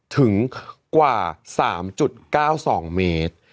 ถึงกว่า๓๙๒เมตร